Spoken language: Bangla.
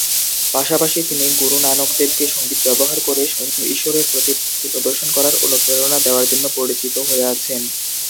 পাশাপাশি, তিনি গুরু নানক দেবকে, সঙ্গীত ব্যবহার করে ঈশ্বরের প্রতি ভক্তি প্রদর্শন করার অনুপ্রেরণা দেওয়ার জন্য পরিচিত হয়ে আছেন।